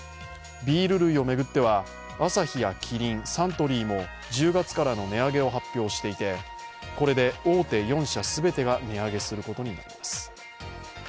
ビール類を巡ってはアサヒやキリン、サントリーも１０月からの値上げを発表していて、これで大手４社全てが値上げすることになります。